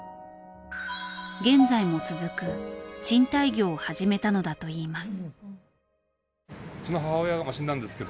現在も続く賃貸業を始めたのだといいます。